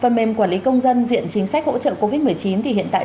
phần mềm quản lý công dân diện chính sách hỗ trợ covid một mươi chín thì hiện tại